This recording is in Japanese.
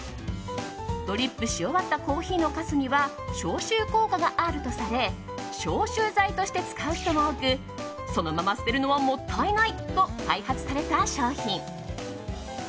ドリップし終わったコーヒーのかすには消臭効果があるとされ消臭剤として使う人も多くそのまま捨てるのはもったいないと開発された商品。